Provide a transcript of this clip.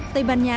tây ban nha